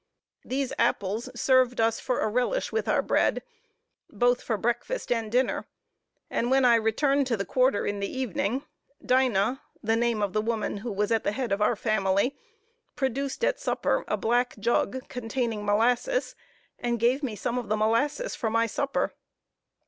These apples served us for a relish with our bread, both for breakfast and dinner, and when I returned to the quarter in the evening, Dinah (the name of the woman who was at the head of our family) produced at supper, a black jug, containing molasses, and gave me some of the molasses for my supper.